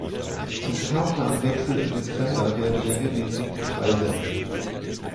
Zum Fahrplanwechsel im Dezember werden regelmäßig die Preise erhöht.